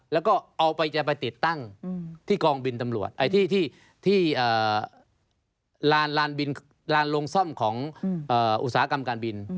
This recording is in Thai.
แล้วก็เอาไปไปติดตั้งที่ลานลงซ่อมของอุตสาหกรรมการบิน